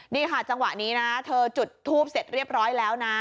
นี่ค่ะจังหวะนี้นะเธอจุดทูปเสร็จเรียบร้อยแล้วนะ